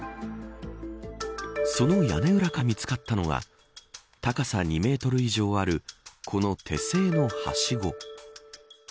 その屋根裏から見つかったのが高さ２メートル以上あるこの手製のはしご。